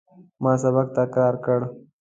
ما سبق تکرار کړ.